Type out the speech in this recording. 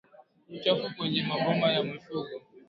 Uchafu kwenye maboma ya mifugo